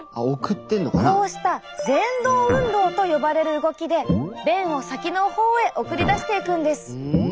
こうしたぜん動運動と呼ばれる動きで便を先の方へ送り出していくんです。